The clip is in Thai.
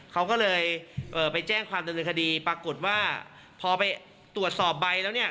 เขาก็เลยเอ่อไปแจ้งความดำเนินคดีปรากฏว่าพอไปตรวจสอบใบแล้วเนี่ย